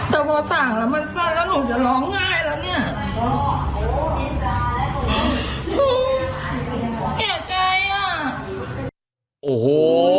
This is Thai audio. แต่พอสั่งแล้วมันสั่งแล้วหนูจะร้องง่ายแล้วเนี่ย